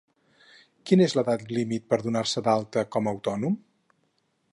Quina és l'edat límit per donar-se d'alta com a autònom?